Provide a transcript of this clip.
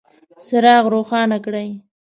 څراغ روښانه کړئ